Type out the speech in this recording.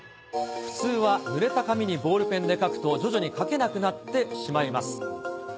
普通はぬれた紙にボールペンで書くと徐々に書けなくなってしまいます。